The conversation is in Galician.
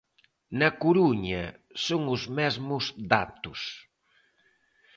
Na Coruña son os mesmos datos.